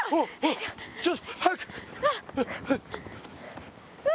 ちょっと早く！